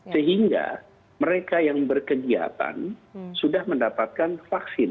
sehingga mereka yang berkegiatan sudah mendapatkan vaksin